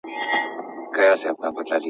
نرسان هم ډېر زیار باسي.